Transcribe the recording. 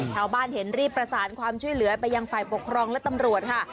ชาวบ้านเห็นรีบประสานความช่วยเหลือไปยังฝ่ายปกครองและตำรวจค่ะ